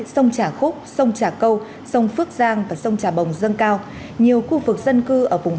sông trà khúc sông trà câu sông phước giang và sông trà bồng dâng cao nhiều khu vực dân cư ở vùng